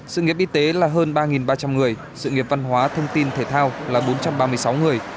sự nghiệp y tế là hơn ba ba trăm linh người sự nghiệp văn hóa thông tin thể thao là bốn trăm ba mươi sáu người